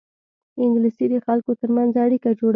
انګلیسي د خلکو ترمنځ اړیکه جوړوي